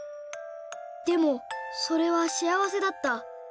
でもそれはしあわせだった。